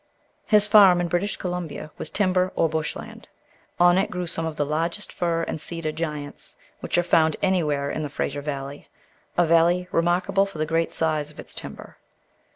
His farm in British Columbia was timber or bush land. On it grew some of the largest fir and cedar giants which are found anywhere in the Fraser valley—a valley remarkable for the great size of its timber.